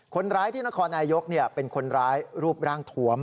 คนร้ายที่นครนายกเป็นคนร้ายรูปร่างถวม